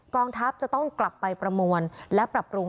ทัพจะต้องกลับไปประมวลและปรับปรุง